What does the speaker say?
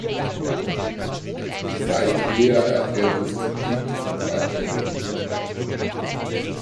Seither erfährt es Kritik und Weiterentwicklung.